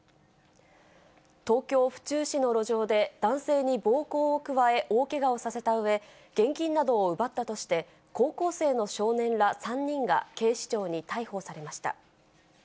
東京・府中市の路上で、男性に暴行を加え、大けがをさせたうえ、現金などを奪ったとして、高校生の少年ら３人が警視庁に逮捕されました。